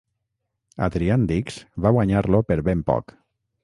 Adrian Dix va guanyar-lo per ben poc.